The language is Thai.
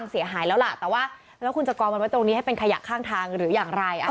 เสียหายแล้วเรามันไว้ตรงนี้เป็นขยะข้างทางหรืออย่างไร